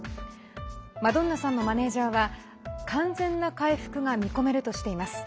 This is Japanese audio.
マドンナさんのマネージャーは完全な回復が見込めるとしています。